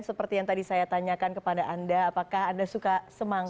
seperti yang tadi saya tanyakan kepada anda apakah anda suka semangat